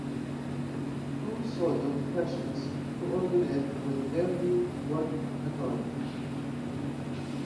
Two sodium cations coordinate with every one anion.